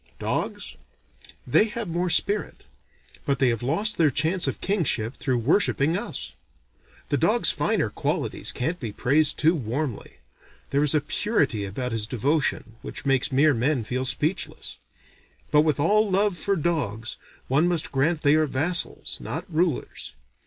Dogs? They have more spirit. But they have lost their chance of kingship through worshipping us. The dog's finer qualities can't be praised too warmly; there is a purity about his devotion which makes mere men feel speechless: but with all love for dogs, one must grant they are vassals, not rulers.